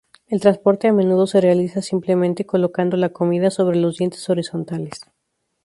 El transporte a menudo se realiza simplemente colocando la comida sobre los dientes horizontales.